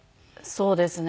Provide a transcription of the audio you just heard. そうですか。